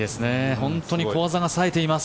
本当に小技が冴えています。